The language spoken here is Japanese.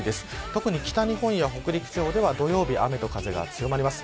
特に北日本や北陸地方では土曜日、雨と風が強まります。